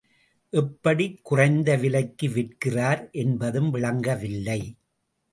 எப்படிக் குறைந்த விலைக்கு விற்கிறார் என்பதும் விளங்கவில்லை.